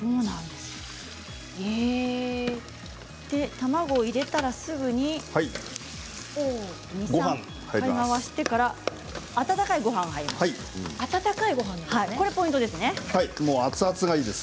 卵を入れたらすぐに２、３回、回してから温かいごはんが入ります。